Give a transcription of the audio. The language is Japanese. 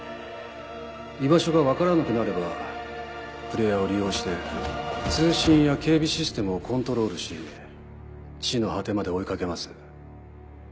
居場所が分からなくなればプレイヤーを利用して通信や警備システムをコントロールし地の果てまで追い掛けます。